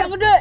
maram gak de